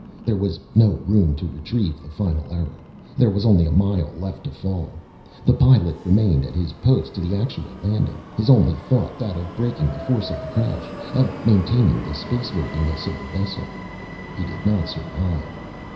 There was no room to retrieve the final error. There was only a mile left to fall. The Pilot remained at his post to the actual landing, his only thought that of breaking the force of the crash, of maintaining the spaceworthiness of the vessel. He did not survive.